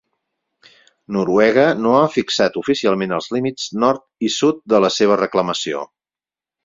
Noruega no ha fixat oficialment els límits nord i sud de la seva reclamació.